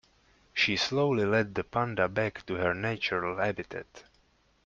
She slowly led the panda back to her natural habitat.